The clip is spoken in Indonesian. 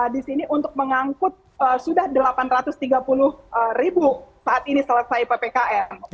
di sini untuk mengangkut sudah delapan ratus tiga puluh ribu saat ini selesai ppkm